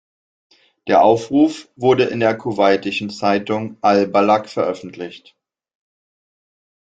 Der Aufruf wurde in der kuwaitischen Zeitung "al-Balagh" veröffentlicht.